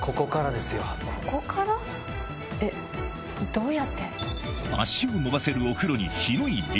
どうやって？